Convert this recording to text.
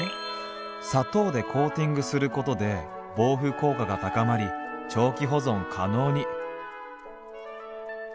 「砂糖でコーティングすることで防腐効果が高まり長期保存可能に」。